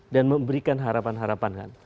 dan memberikan harapan harapan kan